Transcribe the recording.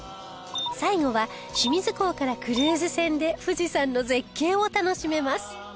最後は清水港からクルーズ船で富士山の絶景を楽しめます